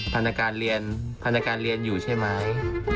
พนักงานเรียนพนักการเรียนอยู่ใช่ไหม